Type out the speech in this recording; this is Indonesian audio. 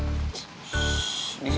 gila ini udah berapa